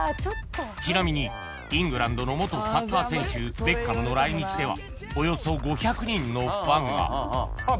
［ちなみにイングランドの元サッカー選手ベッカムの来日ではおよそ５００人のファンが］